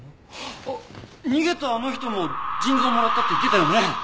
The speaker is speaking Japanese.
あっ逃げたあの人も腎臓もらったって言ってたよね！